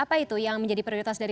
apa itu yang menjadi prioritas dari